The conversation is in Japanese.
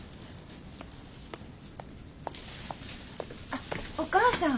あっお母さん。